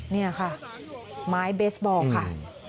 นี่ค่ะไม้เบสบอลค่ะ